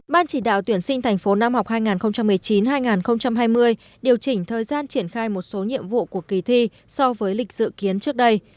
ban chỉ đạo tuyển sinh thành phố nam học hai nghìn một mươi chín hai nghìn hai mươi điều chỉnh thời gian triển khai một số nhiệm vụ của kỳ thi so với lịch dự kiến trước đây